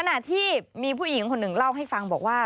ขณะที่มีผู้หญิงคนหนึ่งเล่าให้ฟังบอกว่า